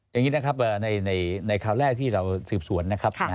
อย่างนี้นะครับในคราวแรกที่เราสืบสวนนะครับ